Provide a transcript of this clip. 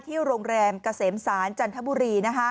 ที่โรงแรมกระเสมศานจรรทบุรี